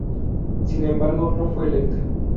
Sin embargo, no fue electa.